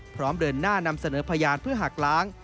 พร้อมเดินหน้านำเสนอพยานเพื่อหักล้าง